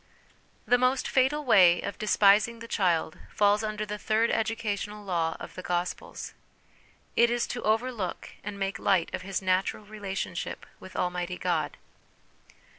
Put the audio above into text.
The most fatal way of despising the child falls under the third educational law of the Gospels ; it is to over look and make light of his natural relationship with Almighty God.